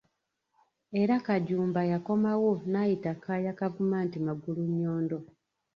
Era Kajumba yakomawo n'ayita Kaaya Kavuma nti Magulunnyondo.